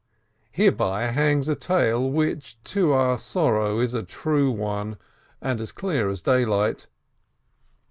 Hereby hangs a tale, which, to our sorrow, is a true one, and as clear as daylight.